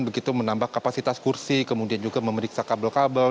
dan kemudian juga menambah kapasitas kursi kemudian juga memeriksa kabel kabel